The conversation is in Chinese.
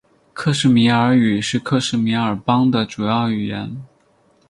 克什米尔语是克什米尔邦的主要语言。